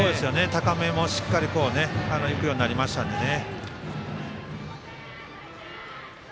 高めもしっかりいくようになりましたね。